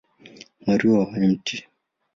Maria wa Mt.